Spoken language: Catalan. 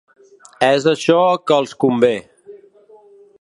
És això que els convé.